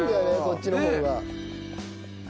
こっちの方が。